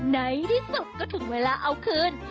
ในที่สุดก็ถึงเวลาเอาคืน